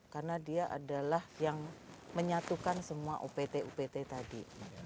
karena dia adalah yang menyatukan semua opt upt tadi